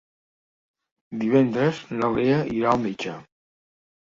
Divendres na Lea irà al metge.